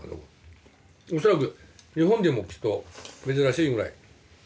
恐らく日本でもきっと珍しいぐらい。